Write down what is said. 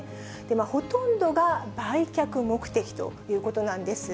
ほとんどが売却目的ということなんです。